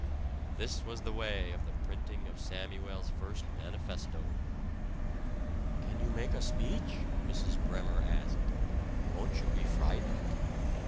And this was the way of the printing of Samuel's first manifesto. "Can you make a speech?" Mrs. Bremer asked. "Won't you be frightened?"